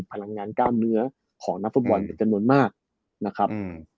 พลังงานกล้ามเนื้อของนักฟุตบอลเป็นจำนวนมากนะครับ